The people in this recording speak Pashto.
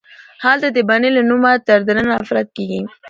هلته د بنې له نومه تر ننه نفرت کیږي